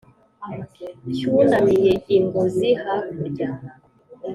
Cyunamiye i Ngozi hakurya